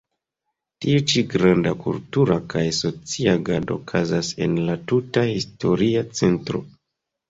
Tiu ĉi granda kultura kaj socia agado okazas en la tuta historia centro.